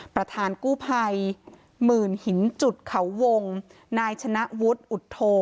ประธานกู้ภัยหมื่นหินจุดเขาวงนายชนะวุฒิอุทโท